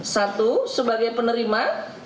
satu sebagai penerima